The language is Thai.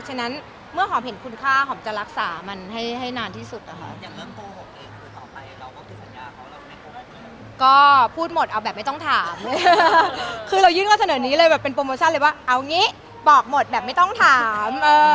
คือเรายื่นการเฉิดนี้เลยเป็นโปรโมชั่นเลยว่าเอานี่บอกหมดแบบไม่ต้องถาม